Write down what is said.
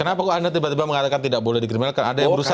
kenapa anda tiba tiba mengatakan tidak boleh dikriminalkan